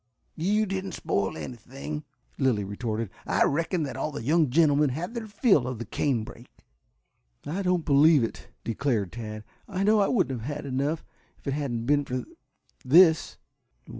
"You didn't spoil anything," Lilly retorted. "I reckon that all the young gentlemen had their fill of the canebrake." "I don't believe it," declared Tad. "I know I wouldn't have had enough, if it hadn't been for this."